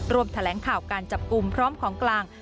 แถลงข่าวการจับกลุ่มพร้อมของกลาง